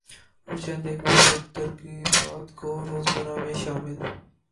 اور چند ایک مثبت ترغیبات کو روزمرہ میں شامل